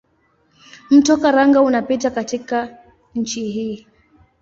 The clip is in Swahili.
Mto Karanga unapita katika nchi hii.